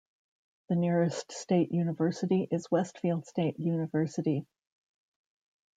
The nearest state university is Westfield State University.